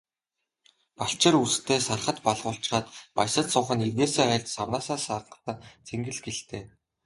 Балчир үрстээ сархад балгуулчхаад баясаж суух нь эргээсээ хальж, савнаасаа сагасан цэнгэл гэлтэй.